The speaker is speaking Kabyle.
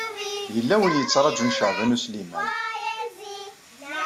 Yella win i yettṛajun Caɛban U Sliman.